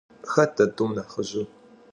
Xet de t'um nexhıjır?